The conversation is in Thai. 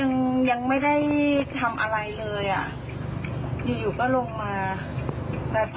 นี่ค่ะลงมาจากรถตู้คันนี้ค่ะ